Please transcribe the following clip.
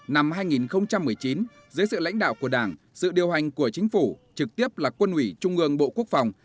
năm hai nghìn một mươi chín dưới sự lãnh đạo của đảng sự điều hành của chính phủ trực tiếp là quân ủy trung ương bộ quốc phòng